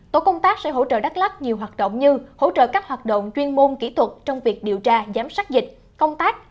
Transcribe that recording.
tổ công tác sẽ hỗ trợ đắk lắc nhiều hoạt động như hỗ trợ các hoạt động chuyên môn kỹ thuật trong việc điều tra giám sát dịch công tác